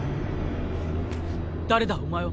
誰だお前は。